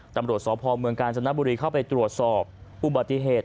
ตำรวจสพเมืองกาญจนบุรีเข้าไปตรวจสอบอุบัติเหตุ